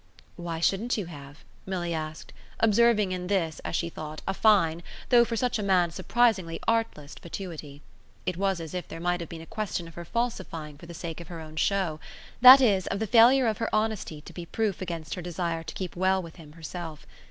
"Why shouldn't you have?" Milly asked, observing in this, as she thought, a fine, though for such a man a surprisingly artless, fatuity. It was as if there might have been a question of her falsifying for the sake of her own show that is of the failure of her honesty to be proof against her desire to keep well with him herself.